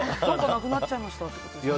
なくなっちゃいましたってことですかね。